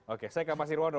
oke saya ke mas irwono